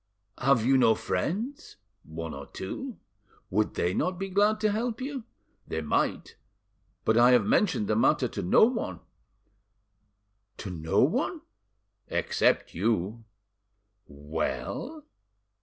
"Have you no friends?" "One or two." "Would they not be glad to help you?" "They might. But I have mentioned the matter to no one." "To no one?" "Except you." "Well?"